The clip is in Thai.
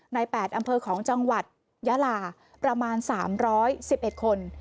ใน๘อำเภอของจังหวัดยาลาประมาณ๓๑๑คน